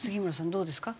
どうですか？